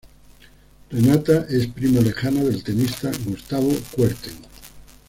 Renata es prima lejano del tenista Gustavo Kuerten.